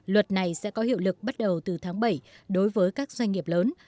luật này sẽ có hiệu lực bắt đầu từ tháng bảy đối với các doanh nghiệp lớn